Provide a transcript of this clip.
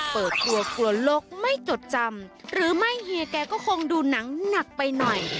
เปิดกลัวกลัวโลกไม่จดจำหรือไม่เฮียแกก็คงดูหนังหนักไปหน่อย